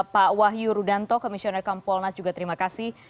pak wahyu rudanto komisioner kompolnas juga terima kasih